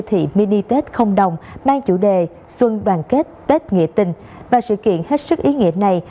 thị mini tết không đồng mang chủ đề xuân đoàn kết tết nghĩa tình và sự kiện hết sức ý nghĩa này